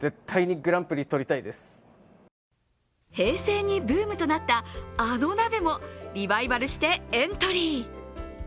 平成にブームとなったあの鍋も、リバイバルしてエントリー。